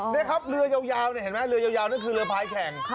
นี่ครับเรือยาวเนี่ยเห็นไหมเรือยาวนั่นคือเรือพายแข่ง